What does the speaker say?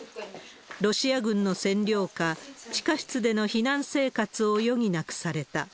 ロシア軍の占領下、地下室での避難生活を余儀なくされた。